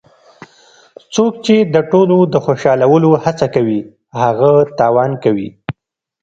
څوک چې د ټولو د خوشحالولو هڅه کوي هغه تاوان کوي.